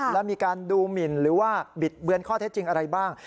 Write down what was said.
แล้วมีการดูหมินหรือว่าบิดเบือนข้อเท็จจริงอะไรบ้าง